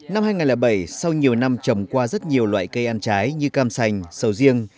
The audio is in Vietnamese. năm hai nghìn bảy sau nhiều năm trồng qua rất nhiều loại cây ăn trái như cam sành sầu riêng